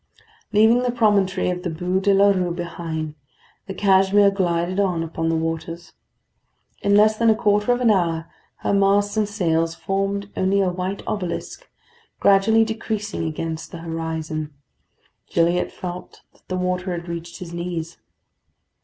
Leaving the promontory of the Bû de la Rue behind, the Cashmere glided on upon the waters. In less than a quarter of an hour, her masts and sails formed only a white obelisk, gradually decreasing against the horizon. Gilliatt felt that the water had reached his knees.